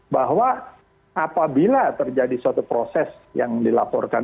bahwa apabila terjadi suatu proses yang dilaporkan